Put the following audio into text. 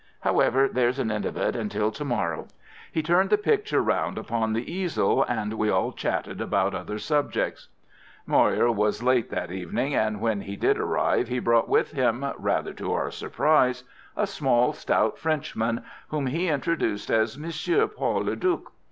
However, there's an end of it until to morrow." He turned the picture round upon the easel, and we all chatted about other subjects. Moir was late that evening, and when he did arrive he brought with him, rather to our surprise, a small, stout Frenchman, whom he introduced as Monsieur Paul Le Duc.